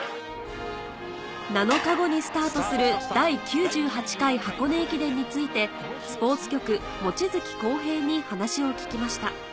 ７日後にスタートする第９８回箱根駅伝についてスポーツ局望月浩平に話を聞きました